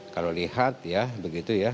kalau lihat ya begitu ya